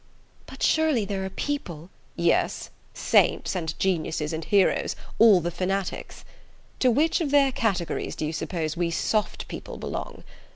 "But surely there are people " "Yes saints and geniuses and heroes: all the fanatics! To which of their categories do you suppose we soft people belong?